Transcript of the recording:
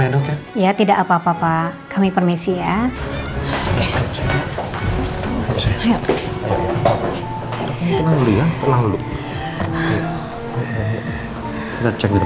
ini dokternya enggak mungkin salah periksa kamu